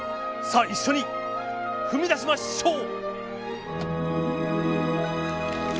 一緒に踏み出しましょう！